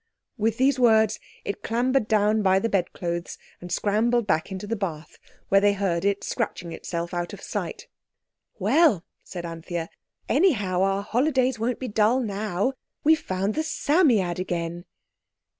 With these words it clambered down by the bedclothes and scrambled back into the bath, where they heard it scratching itself out of sight. "Well!" said Anthea, "anyhow our holidays won't be dull now. We've found the Psammead again."